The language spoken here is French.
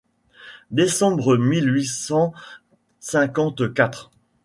Décembre mille huit cent cinquante-quatre.